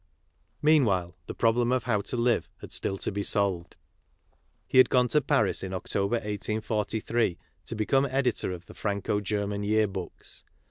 Meanwhile, the problem of how to live had still to be solved. He had gone to Paris in October, 1843, to become editor of the Franco German Year Books.